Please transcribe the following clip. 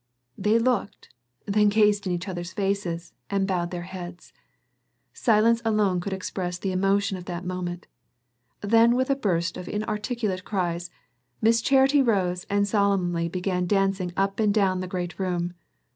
They looked, then gazed in each other's face and bowed their heads. Silence alone could express the emotion of that moment. Then with a burst of inarticulate cries, Miss Charity rose and solemnly began dancing up and down the great room.